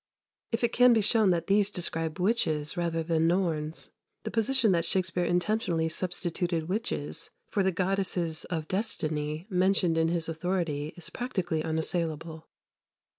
If it can be shown that these describe witches rather than Norns, the position that Shakspere intentionally substituted witches for the "goddesses of Destinie" mentioned in his authority is practically unassailable.